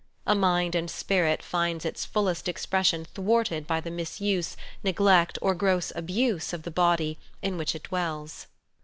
A mind and spirit finds its fullest expression thwarted by the misuse, neglect or gross abuse of the body in which it dwells.